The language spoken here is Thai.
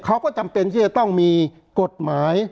จำเป็นที่จะต้องมีกฎหมาย